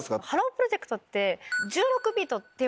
プロジェクトって。